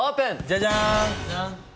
ジャジャン！